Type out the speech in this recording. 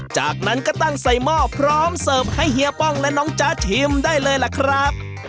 จากนั้นก็ตั้งใส่หม้อพร้อมเสิร์ฟให้เฮียป้องและน้องจ๊ะชิมได้เลยล่ะครับ